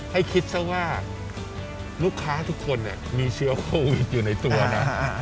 ให้คิดซะว่าลูกค้าทุกคนเนี่ยมีเชื้อโควิดอยู่ในตัวนะ